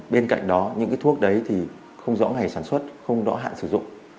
bên cạnh đó những thuốc đấy thì không rõ ngày sản xuất không rõ hạn sử dụng